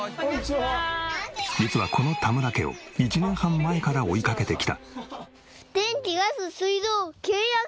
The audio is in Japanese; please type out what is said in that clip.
実はこの田村家を１年半前から追いかけてきた。